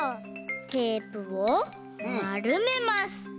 テープをまるめます。